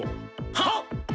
はっ！